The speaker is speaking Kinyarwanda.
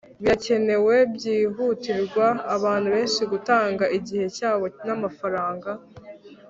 birakenewe byihutirwa abantu benshi gutanga igihe cyabo namafaranga